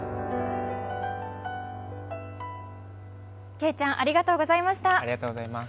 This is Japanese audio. けいちゃんありがとうございました。